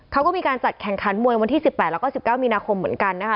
เขาก็มีการจัดแข่งขันมวยวันที่๑๘แล้วก็๑๙มีนาคมเหมือนกันนะคะ